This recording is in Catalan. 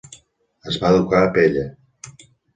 Es va educar a Pella.